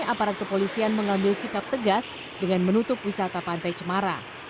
aparat kepolisian mengambil sikap tegas dengan menutup wisata pantai cemara